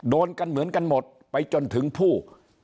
โดนกันเหมือนกันหมดไปจนถึงผู้